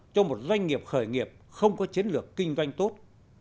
cho một doanh nghiệp khởi nghiệp không có chiến lược kinh doanh tốt